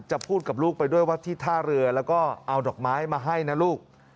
พูดกับลูกไปด้วยว่าที่ท่าเรือแล้วก็เอาดอกไม้มาให้นะลูก